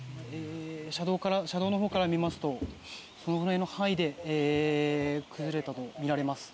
車道のほうから見ますとそのぐらいの範囲で崩れたとみられます。